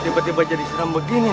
tiba tiba jadi seram begini